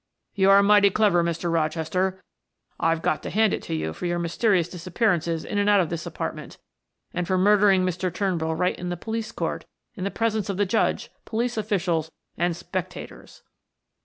"You are mighty clever, Mr. Rochester. I've got to hand it to you for your mysterious disappearances in and out of this apartment, and for murdering Mr. Turnbull right in the police court in the presence of the judge, police officials, and spectators."